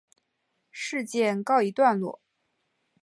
事件告一段落。